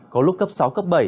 có lúc cấp sáu cấp bảy